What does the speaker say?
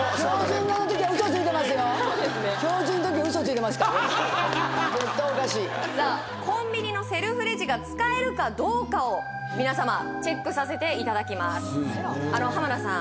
絶対おかしいさあコンビニのセルフレジが使えるかどうかを皆様チェックさせていただきます浜田さん